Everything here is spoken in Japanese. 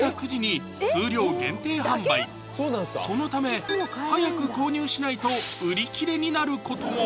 そのため早く購入しないと売り切れになることも！